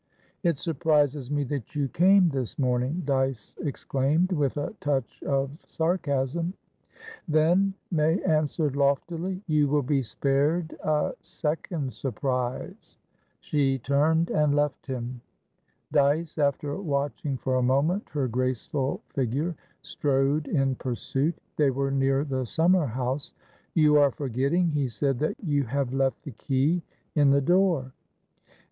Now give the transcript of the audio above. "It surprises me that you came this morning!" Dyce exclaimed, with a touch of sarcasm. "Then," May answered loftily, "you will be spared a second surprise." She turned and left him. Dyce, after watching for a moment her graceful figure, strode in pursuit. They were near the summer house. "You are forgetting," he said, "that you have left the key in the door."